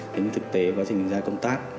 nhưng thực tế quá trình ra công tác